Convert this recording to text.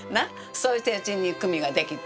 そうしてうちに久美ができて。